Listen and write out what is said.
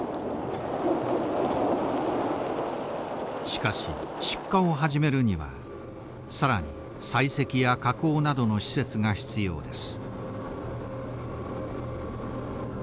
しかし出荷を始めるには更に採石や加工などの施設が必要です。